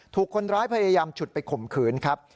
ถูกคนร้ายพยายามฉุดไปข่มขืนครับ